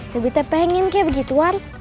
lebih teh pengen kayak begituan